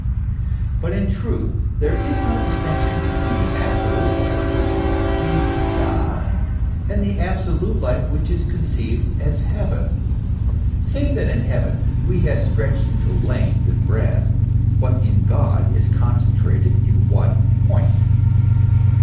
But in truth there is no distinction between the absolute life which is conceived as God and the absolute life which is conceived as heaven, save that in heaven we have stretched into length and breadth what in God is concentrated in one point.